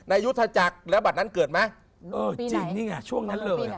เออจริงนี่ไงช่วงนั้นเลย